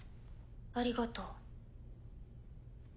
ありがとう。